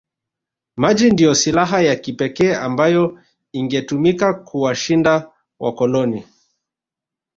Maji ndiyo silaha ya kipekee ambayo ingetumika kuwashinda wakoloni